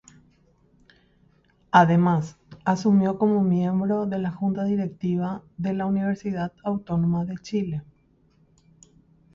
Además, asumió como miembro de la junta directiva de la Universidad Autónoma de Chile.